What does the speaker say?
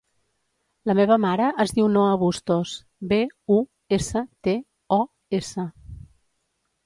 La meva mare es diu Noa Bustos: be, u, essa, te, o, essa.